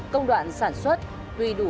công đoạn sản xuất tuy đủ bốn lớp